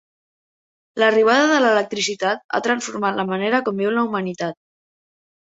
L'arribada de l'electricitat ha transformat la manera com viu la humanitat.